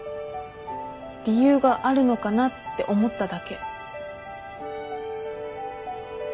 理由があるのかなって思っただけ。